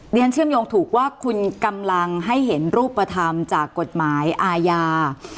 เชื่อมโยงถูกว่าคุณกำลังให้เห็นรูปธรรมจากกฎหมายอาญา